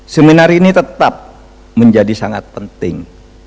seminar ini tetap menjadi sangat penting